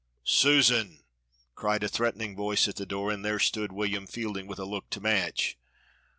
"Susan!" cried a threatening voice at the door, and there stood William Fielding with a look to match.